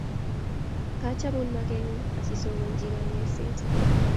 Kachamun magengung asisomanchi kanyoishet